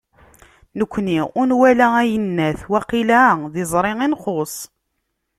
Nekni ur nwala ayennat, waqila d iẓri i nxuṣ.